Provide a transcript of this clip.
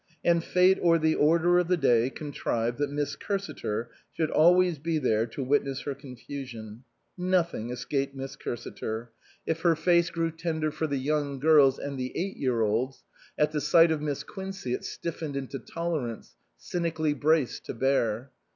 And Fate or the Order of the day contrived that Miss Cursiter should always be there to witness her confusion. Nothing escaped Miss Cursiter ; if her face 204 MISS QUINCEY STOPS THE WAY grew tender for the young girls and the eight year olds, at the sight of Miss Quincey it stiffened into tolerance, cynically braced to bear.